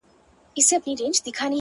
• وئیل یې پرهرونه په هوا کله رغېږي ,